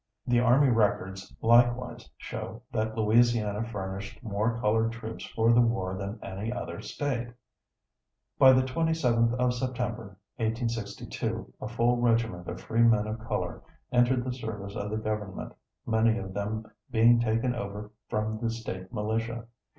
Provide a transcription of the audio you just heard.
The army records likewise show that Louisiana furnished more colored troops for the war than any other State. By the 27th of September, 1862, a full regiment of free men of color entered the service of the government, many of them being taken over from the State militia.